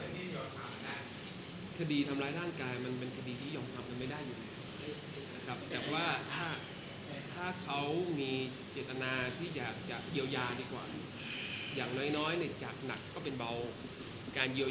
แต่คดีทำร้ายด้านกายมันเป็นคดีที่หยุ่งทำไม่ได้อยู่